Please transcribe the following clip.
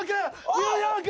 ニューヨーク！